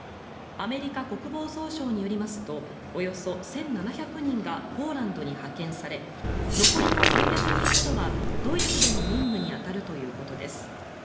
アメリカ国防総省によりますとおよそ１７００人がポーランドに派遣され残りの３００人ほどはドイツでの任務に当たるということです。